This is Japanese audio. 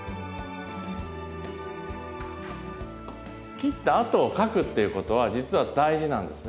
切ったあとを描くっていうことは実は大事なんですね。